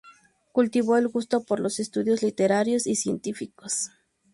Cultivó el gusto por los estudios literarios y científicos.